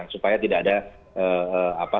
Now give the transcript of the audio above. supaya tidak ada